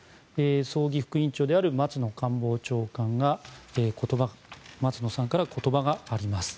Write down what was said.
葬儀副委員長である松野官房長官から言葉があります。